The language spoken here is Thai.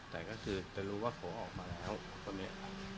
แต่ก็คือจะรู้ว่าเขาออกมาแล้วคนนี้